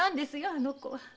あの子は。